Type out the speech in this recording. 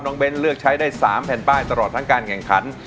เบ้นเลือกใช้ได้๓แผ่นป้ายตลอดทั้งการแข่งขัน